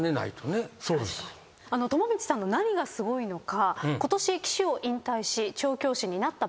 友道さんの何がすごいのか。